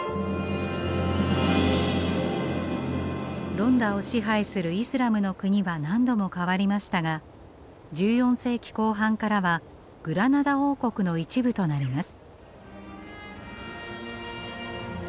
ロンダを支配するイスラムの国は何度もかわりましたが１４世紀後半からはグラナダ王国の一部となります。